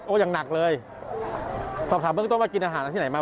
โอ้ยังหนักเลยพอถามต้องว่ากินอาหารที่ไหนมา